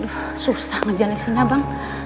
aduh susah ngejalanin sini bang